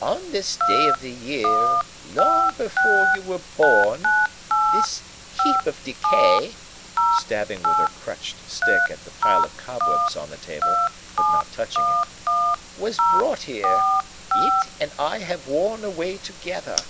"On this day of the year, long before you were born, this heap of decay," stabbing with her crutched stick at the pile of cobwebs on the table, but not touching it, "was brought here. It and I have worn away together.